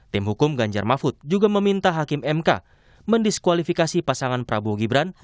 tim hukum ganjar mahfud juga meminta hakim mk mendiskualifikasi pasangan prabowo gibran